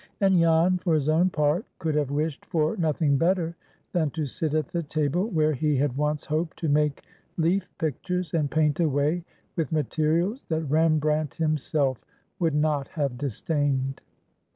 And Jan, for his own part, could have wished for nothing better than to sit at the table where he had once hoped to make leaf pictures, and paint away with materials that Rembrandt himself would not have disdained.